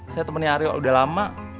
saya temennya aryo udah lama